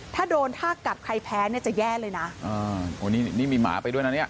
ถ้าโดนท่ากัดใครแพ้เนี่ยจะแย่เลยนะอ่าโอ้นี่นี่มีหมาไปด้วยนะเนี่ย